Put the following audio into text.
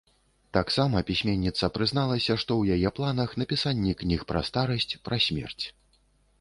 Таксама пісьменніца прызналася, што ў яе планах напісанне кніг пра старасць, пра смерць.